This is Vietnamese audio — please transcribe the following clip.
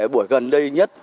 buổi gần đây nhất